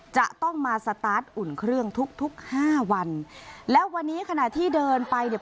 จะต้องมาสตาร์ทอุ่นเครื่องทุกทุกห้าวันและวันนี้ขณะที่เดินไปเนี่ย